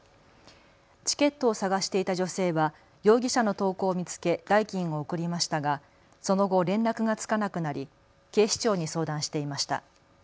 チケットを探していた女性は容疑者の投稿を見つけ代金を送りましたがその後、連絡がつかなくなり警視庁に相談していました。